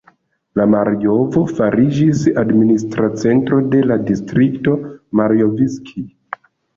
La Marjovo fariĝis admonistra centro de la distrikto Marjovskij.